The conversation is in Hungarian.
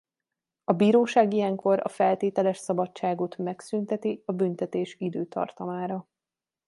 A bíróság ilyenkor a feltételes szabadságot megszünteti a büntetés időtartamára.